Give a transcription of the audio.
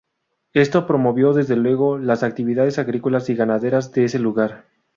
Esto promovió, desde luego las actividades agrícolas y ganaderas de ese lugar.